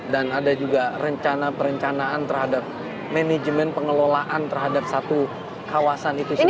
dan ada juga rencana perencanaan terhadap manajemen pengelolaan terhadap satu kawasan itu sendiri